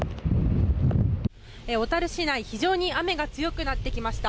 小樽市内、非常に雨が強くなってきました。